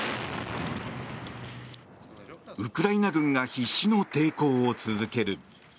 ウクライナ軍が必死の抵抗を続ける。